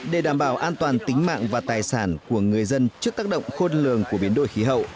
để đảm bảo an toàn tính mạng và tài sản của người dân trước tác động khôn lường của biến đổi khí hậu